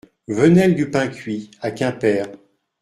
Venelle du Pain Cuit à Quimper